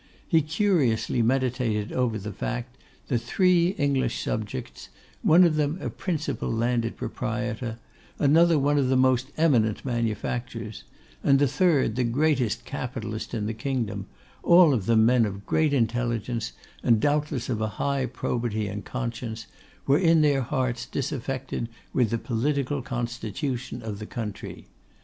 He curiously meditated over the fact, that three English subjects, one of them a principal landed proprietor, another one of the most eminent manufacturers, and the third the greatest capitalist in the kingdom, all of them men of great intelligence, and doubtless of a high probity and conscience, were in their hearts disaffected with the political constitution of the country.